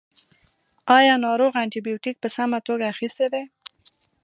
ایا ناروغ انټي بیوټیک په سمه توګه اخیستی دی.